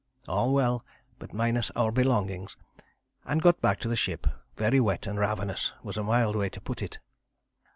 All well, but minus our belongings, and got back to the ship; very wet and ravenous was a mild way to put it.